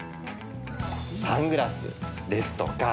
サングラスですとか